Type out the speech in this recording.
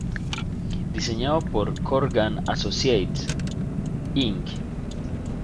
Diseñado por Corgan Associates, Inc.